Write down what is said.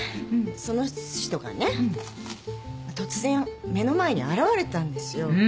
その人がね突然目の前に現れたんですよ。